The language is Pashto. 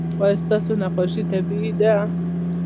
ایا ستاسو نقاشي طبیعي ده؟